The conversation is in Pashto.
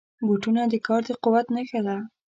بوټونه د کار د قوت نښه ده.